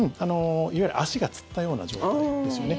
いわゆる足がつったような状態ですよね。